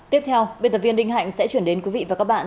tiếp theo biên tập viên đinh hạnh sẽ chuyển đến quý vị và các bạn